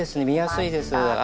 見やすいです。